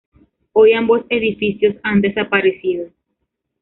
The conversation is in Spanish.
Hoy ambos edificios han desaparecido.